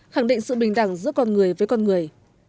khẳng định sự bình đẳng giữa con người với con người